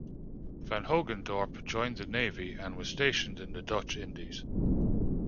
Van Hogendorp joined the navy and was stationed in the Dutch Indies.